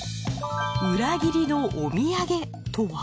うらぎりのお土産とは？